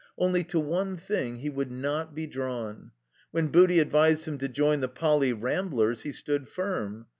Only to one thing he would not be drawn. When Booty advised him to join the Poly. Ramblers he stood firm.